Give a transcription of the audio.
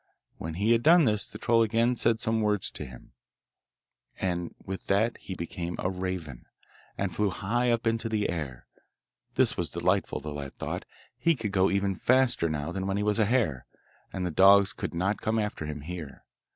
When he had done this the troll again said some words to him, and with that he became a raven, and flew high up into the air. This was delightful, the lad thought; he could go even faster now than when he was a hare, and the dogs could not come after him here.